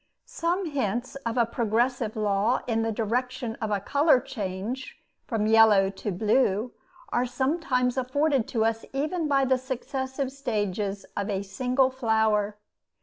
Some hints of a progressive law in the direction of a color change from yellow to blue are sometimes afforded to us even by the successive stages of a single flower.